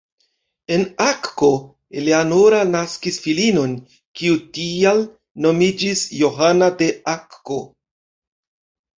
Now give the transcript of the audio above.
En Akko Eleanora naskis filinon, kiu tial nomiĝis Johana de Akko.